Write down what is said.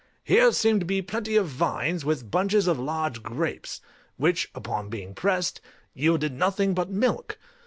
Here seemed to be plenty of vines, with bunches of large grapes, which, upon being pressed, yielded nothing but milk.